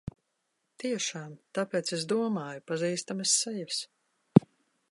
Tiešām! Tāpēc es domāju pazīstamas sejas.